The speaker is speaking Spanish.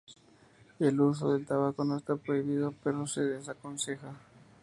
El uso del tabaco no está prohibido pero se desaconseja.